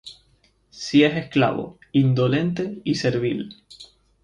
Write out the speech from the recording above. Si es esclavo, indolente y servil,